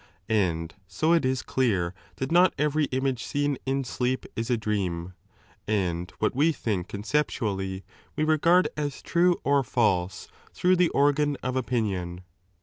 And so it is 6 clear that not every image eeen in sleep is a dream, and what we think conceptually we regard as true or false through the organ of opinion.